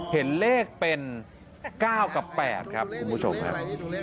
เห็นเลขเป็น๙กับ๘ครับคุณผู้ชมครับ